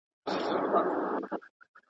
حق د تلپاتي نېکمرغۍ لاره ده.